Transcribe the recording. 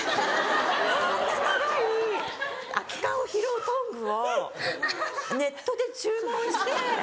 こんな長い空き缶を拾うトングをネットで注文して。